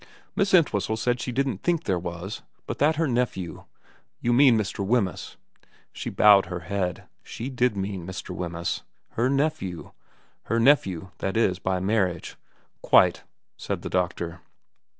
Miss Entwhistle said she didn't think there was, but that her nephew ' You mean Mr. Wemyss ?' She bowed her head. She did mean Mr. Wemyss. Her nephew. Her nephew, that is, by marriage. ' Quite,' said the doctor.